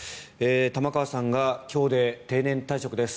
玉川さんが今日で定年退職です。